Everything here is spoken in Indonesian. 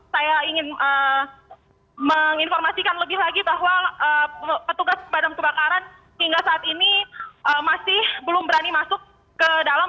saya ingin menginformasikan lebih lagi bahwa petugas pemadam kebakaran hingga saat ini masih belum berani masuk ke dalam